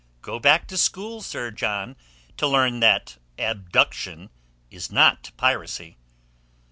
"Go back to school, Sir John, to learn that abduction is not piracy."